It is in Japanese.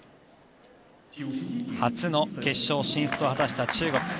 初の決勝進出を果たした中国。